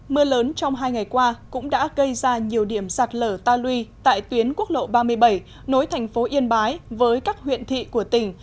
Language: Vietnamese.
mưa lớn trong hai ngày qua cũng đã gây ra nhiều điểm sạt lở ta lui tại tuyến quốc lộ ba mươi bảy nối thành phố yên bái với các huyện thị của tỉnh